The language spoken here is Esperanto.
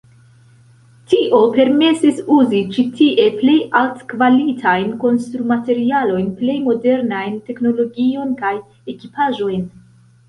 Tio permesis uzi ĉi tie plej altkvalitajn konstrumaterialojn, plej modernajn teknologion kaj ekipaĵojn.